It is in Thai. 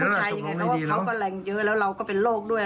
แต่ปกติก็ไม่ได้ลงไม้ลงมือกันปกติ